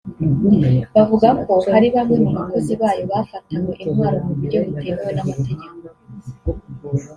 buvuga ko hari bamwe mu bakozi bayo bafatanwe intwaro mu buryo butemewe n’amategeko